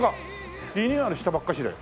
リニューアルしたばっかしで？